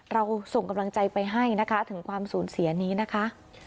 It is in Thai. เราส่งกำลังใจไปให้นะคะถึงความสูญเสียนี้นะคะ